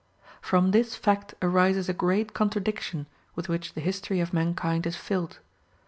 From this fact arises a great contradiction with which the history of mankind is filled.